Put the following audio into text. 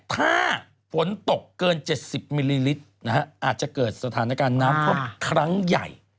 ถ้าฝนตกเกิน๗๐มิลลิลิตรอาจจะเกิดสถานการณ์น้ำท่วมครั้งใหญ่